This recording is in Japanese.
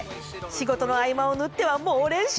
仕事の合間を縫っては猛練習！